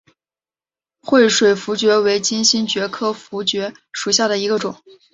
惠水茯蕨为金星蕨科茯蕨属下的一个种。